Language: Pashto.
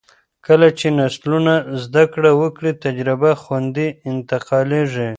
کله چې نسلونه زده کړه وکړي، تجربه خوندي انتقالېږي.